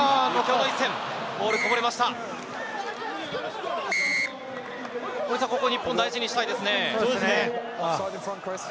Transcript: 日本、ここは大事にしたいですね。